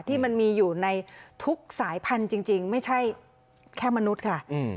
ที่มันมีอยู่ในทุกสายพันธุ์จริงไม่ใช่แค่มนุษย์ค่ะ